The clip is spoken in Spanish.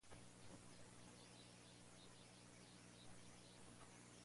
Su calificación fue de tres puntos y medio sobre cuatro.